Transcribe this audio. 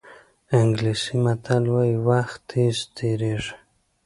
انګلیسي متل وایي وخت تېز تېرېږي.